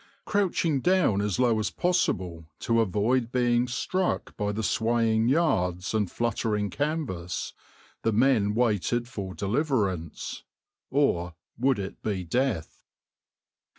Crouching down as low as possible to avoid being struck by the swaying yards and fluttering canvas, the men waited for deliverance or would it be death?